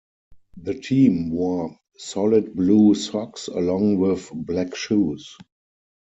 The team wore solid blue socks along with black shoes.